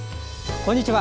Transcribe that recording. こんにちは。